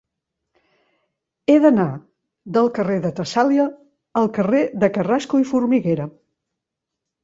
He d'anar del carrer de Tessàlia al carrer de Carrasco i Formiguera.